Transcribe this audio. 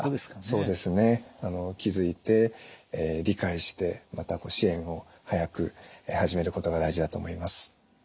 そうですね気づいて理解してまた支援を早く始めることが大事だと思います。